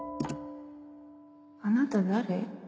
あなた誰？